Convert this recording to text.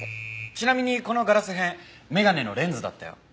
ちなみにこのガラス片眼鏡のレンズだったよ。